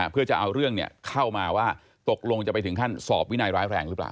เพื่อจะเอาเรื่องเข้ามาว่าตกลงจะไปถึงขั้นสอบวินัยร้ายแรงหรือเปล่า